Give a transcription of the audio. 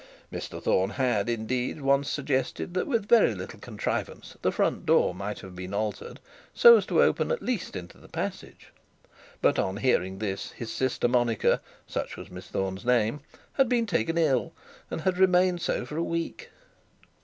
Mr Thorne had, indeed, once suggested that with very little contrivance the front door might have been so altered, as to open at least into the passage; but on hearing this, his sister Monica, such was Miss Thorne's name, had been taken ill, and had remained so for a week.